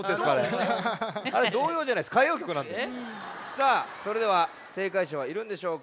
さあそれではせいかいしゃはいるんでしょうか？